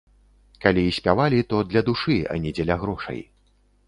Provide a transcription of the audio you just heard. Калі і спявалі, то для душы, а не дзеля грошай.